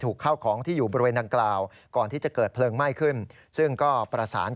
ถ้าสมมุติว่าจุดทูปไว้